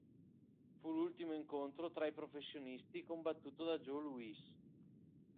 Fu l'ultimo incontro tra i professionisti combattuto da Joe Louis.